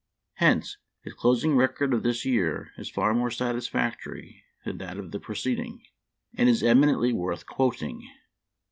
Hence his closing record of this year is far more satisfactory than that of the preceding, and is eminently worth quoting.